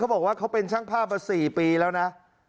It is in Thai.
บอกว่าเขาเป็นช่างภาพมา๔ปีแล้วนะ